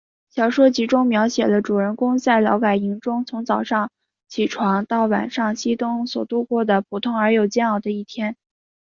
小说集中描写了主人公在劳改营中从早上起床到晚上熄灯所度过的普通而又难熬的一天。